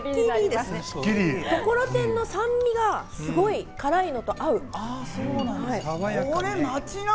ところてんの酸味が辛いのと合う。